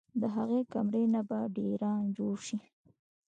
د هغې کمرې نه به ډېران جوړ شي